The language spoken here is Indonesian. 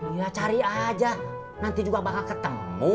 ya cari aja nanti juga bakal ketemu